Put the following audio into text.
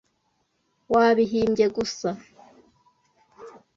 Wabihimbye gusa?